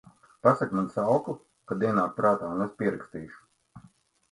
Pasaki man saukli, kad ienāk prātā, un es pierakstīšu…